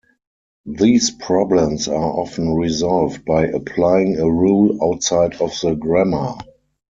These problems are often resolved by applying a rule outside of the grammar.